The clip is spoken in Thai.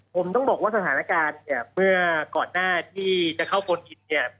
ผมต้องบอกว่าสถานการณ์เนี่ยเมื่อก่อนหน้าที่จะเข้าคนกินเนี่ย